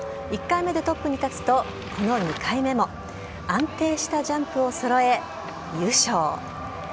１回目でトップに立つと、この２回目も安定したジャンプをそろえ、優勝。